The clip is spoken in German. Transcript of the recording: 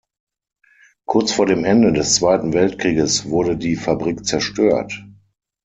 Kurz vor dem Ende des Zweiten Weltkrieges wurde die Fabrik zerstört.